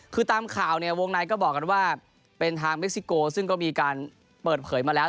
คือตามข่าวเนี่ยวงในก็บอกกันว่าเป็นทางเม็กซิโกซึ่งก็มีการเปิดเผยมาแล้ว